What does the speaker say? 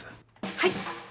はい。